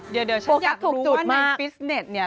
เดี๋ยวฉันอยากรู้ว่าในฟิสเน็ตเนี่ย